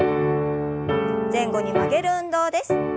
前後に曲げる運動です。